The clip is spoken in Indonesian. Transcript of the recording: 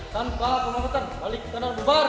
tanpa pemotretan balik ke tanah luar